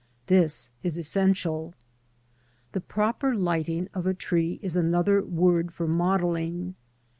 This is essential. The proper lighting of a tree is another word for modelling.